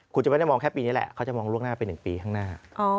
คุณจะไม่ได้มองแค่ปีนี้แหละเขาจะมองล่วงหน้าไป๑ปีข้างหน้า